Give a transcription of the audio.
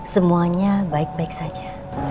semuanya baik baik saja